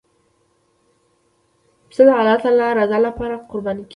پسه د الله تعالی رضا لپاره قرباني کېږي.